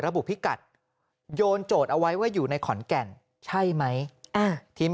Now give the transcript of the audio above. พิกัดโยนโจทย์เอาไว้ว่าอยู่ในขอนแก่นใช่ไหมทีม